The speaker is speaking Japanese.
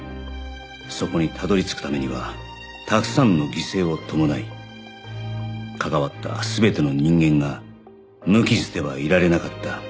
そこにたどり着くためにはたくさんの犠牲を伴い関わった全ての人間が無傷ではいられなかった